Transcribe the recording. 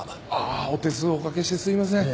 あっお手数お掛けしてすいません。